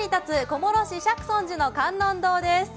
小諸市釈尊寺の観音堂です。